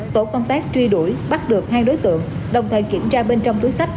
tổ công tác truy đuổi bắt được hai đối tượng đồng thời kiểm tra bên trong túi sách